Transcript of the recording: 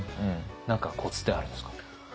何かコツってあるんですか？